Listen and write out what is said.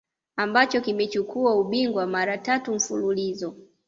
ambacho kimechukua ubingwa mara tatu mfululizo